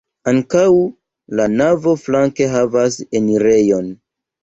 Ankaŭ la navo flanke havas enirejon.